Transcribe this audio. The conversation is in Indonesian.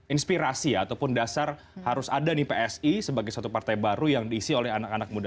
inspirasi ataupun dasar harus ada nih psi sebagai satu partai baru yang diisi oleh anak anak muda